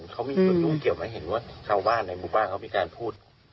เขามีส่วนยุ่งเกี่ยวไหมเห็นว่าชาวบ้านในหมู่บ้านเขามีการพูด